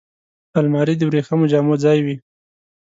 الماري د وریښمو جامو ځای وي